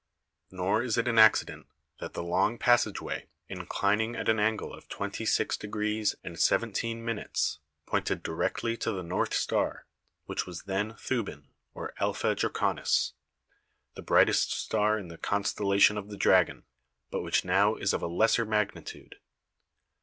Nor is it an accident that the long passageway, inclining at an angle of twenty six degrees and seventeen minutes, pointed directly to the North Star, which was then Thuban, or Alpha Draconis, the brightest star in the constel lation of the Dragon, but which now is of a lesser magnitude.